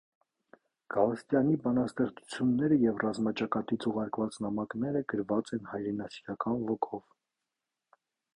Գալստյանի բանաստեղծությունները և ռազմաճակատից ուղարկված նամակները գրված են հայրենասիրական ոգով։